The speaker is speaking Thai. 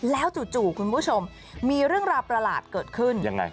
แล้วจู่คุณผู้ชมมีเรื่องราวประหลาดเกิดขึ้นยังไง